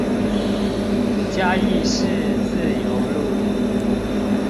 嘉義市自由路